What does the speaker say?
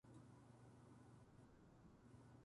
島原の乱の天草四郎